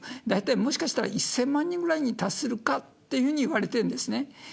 だいたい、もしかしたら１０００万人ぐらいに達するかというふうに言われてるんですね。